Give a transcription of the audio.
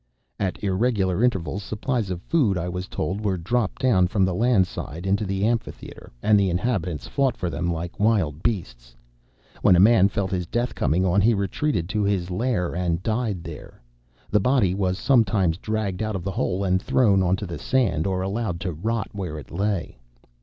At irregular intervals supplies of food, I was told, were dropped down from the land side into the amphitheatre, and the inhabitants fought for them like wild beasts. When a man felt his death coming on he retreated to his lair and died there. The body was sometimes dragged out of the hole and thrown on to the sand, or allowed to rot where it lay.